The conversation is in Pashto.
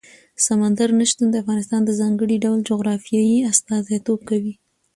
سمندر نه شتون د افغانستان د ځانګړي ډول جغرافیه استازیتوب کوي.